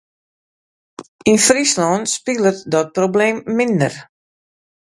Yn Fryslân spilet dat probleem minder.